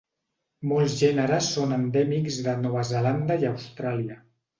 Molts gèneres són endèmics de Nova Zelanda i Austràlia.